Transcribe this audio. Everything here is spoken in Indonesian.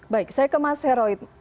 baik saya ke mas heroik